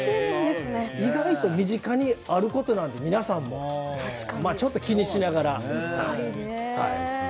意外と身近にあることなので皆さんもちょっと気にしながら。